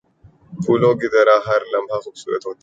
پھولوں کی طرح ہر لمحہ خوبصورت ہوتا ہے۔